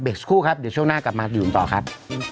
สักครู่ครับเดี๋ยวช่วงหน้ากลับมาดื่มต่อครับ